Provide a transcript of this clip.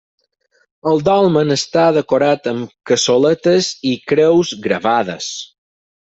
El dolmen està decorat amb cassoletes i creus gravades.